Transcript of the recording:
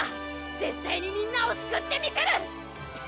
絶対にみんなを救ってみせる！